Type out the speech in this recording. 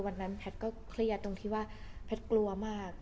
วันนั้นพลัดก็เครียดตรงที่ว่าพลัดกลัวมาก